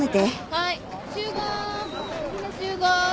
はい。